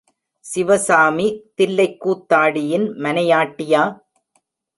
சிவசாமி தில்லைக் கூத்தாடியின் மனையாட்டியா?